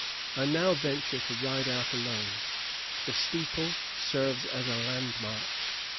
I now venture to ride out alone. The steeple serves as a landmark.